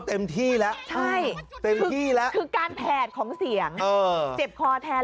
เต็มที่แล้วใช่เต็มที่แล้วคือการแผดของเสียงเจ็บคอแทน